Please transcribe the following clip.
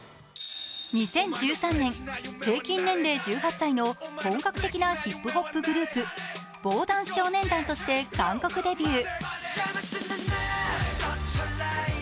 ２０１３年、平均年齢１８歳の本格的なヒップホップグループ防弾少年団として韓国デビュー。